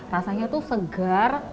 rasanya tuh segar